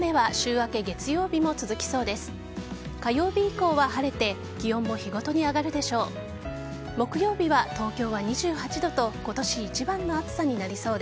火曜日以降は晴れて気温も日ごとに上がるでしょう。